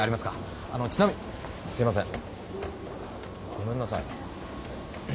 ごめんなさい。